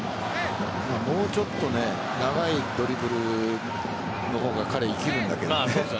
もうちょっと長いドリブルの方が彼、生きるんだけどね。